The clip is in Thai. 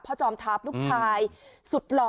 จอมทัพลูกชายสุดหล่อ